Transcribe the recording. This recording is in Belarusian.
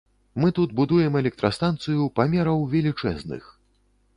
Мы тут будуем электрастанцыю памераў велічэзных.